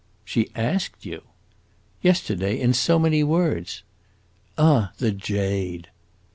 "She asked you?" "Yesterday, in so many words." "Ah, the jade!"